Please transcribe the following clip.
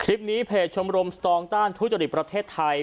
คลิปนี้เพจชมรมสตรองต้านทุจริปราทเทศไทย